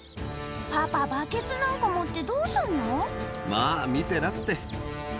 パパ、バケツなんか持ってどまあ見てなって。